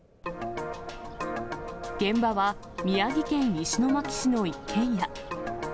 現場は宮城県石巻市の一軒家。